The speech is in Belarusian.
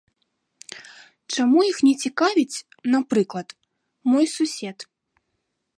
Чаму іх не цікавіць, напрыклад, мой сусед?